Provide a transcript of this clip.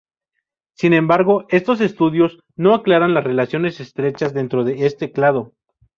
Sin embargo, estos estudios no aclaran las relaciones estrechas dentro de este clado.